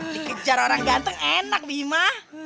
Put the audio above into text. dikejar orang gantung enak bima